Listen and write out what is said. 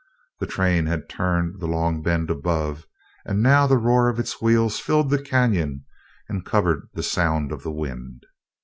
The train had turned the long bend above, and now the roar of its wheels filled the canyon and covered the sound of the wind.